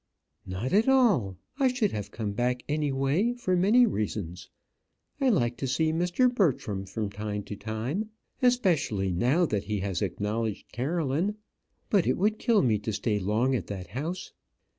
"Not at all; I should have come back any way, for many reasons. I like to see Mr. Bertram from time to time, especially now that he has acknowledged Caroline; but it would kill me to stay long at that house.